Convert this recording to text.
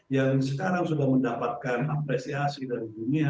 yang sekarang sudah mendapatkan apresiasi dari dunia